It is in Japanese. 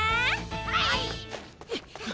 はい。